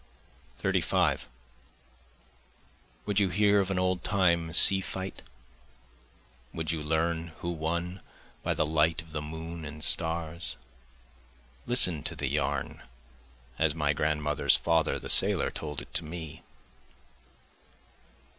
35 Would you hear of an old time sea fight? Would you learn who won by the light of the moon and stars? List to the yarn, as my grandmother's father the sailor told it to me.